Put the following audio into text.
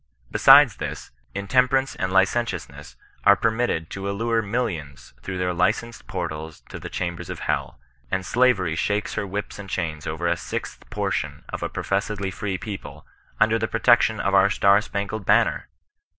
Besides this, intemperance and licentiousness are permitted to allure millions through their licensed portals to the chambers of hell ; and Sla very shakes her whips and chains over a sixth portion of a professedly free people, under the protection of our star spangled banner!